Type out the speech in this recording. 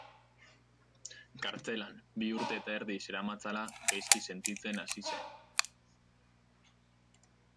Kartzelan bi urte eta erdi zeramatzala, gaizki sentitzen hasi zen.